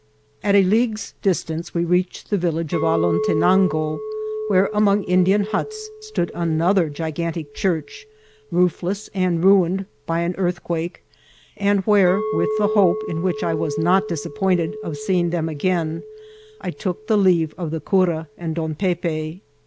At a league's distance we reached the village of Alotenango, where, among In dian huts, stood another gigantic church, roofless, and ruined by an earthquake, and where, with the hope, in which I was not disappointed, of seeing them again, I took leave of the cura and Don Pepe.